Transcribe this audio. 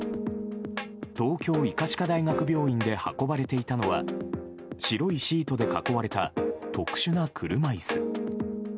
東京医科歯科大学病院で運ばれていたのは白いシートで囲われた特殊な車椅子。